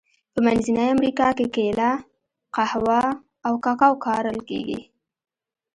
په منځنۍ امریکا کې کېله، قهوه او کاکاو کرل کیږي.